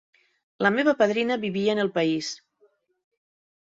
La meva padrina vivia en el país.